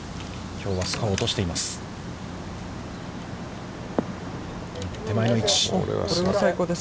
きょうはスコアを落としています。